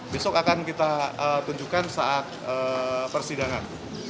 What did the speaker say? besok akan kita tunjukkan saat persidangan